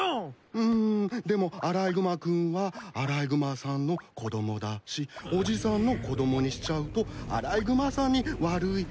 でもアライグマ君はアライグマさんの子供だしおじさんの子供にしちゃうとアライグマさんに悪いし。